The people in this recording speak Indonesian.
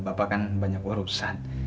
bapak kan banyak warusan